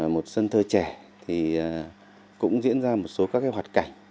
một sân thơ trẻ thì cũng diễn ra một số các cái hoạt cảnh